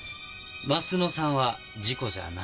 鱒乃さんは事故じゃない。